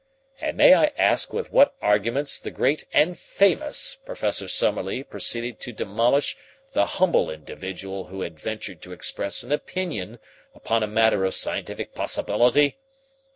And may I ask with what arguments the great and famous Professor Summerlee proceeded to demolish the humble individual who had ventured to express an opinion upon a matter of scientific possibility?